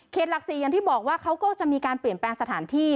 หลัก๔อย่างที่บอกว่าเขาก็จะมีการเปลี่ยนแปลงสถานที่